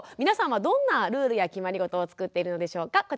皆さんはどんなルールや決まりごとを作っているのでしょうか。